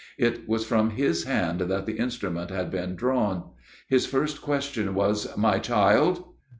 It was from his hand that the instrument had been drawn. His first question was "my child?"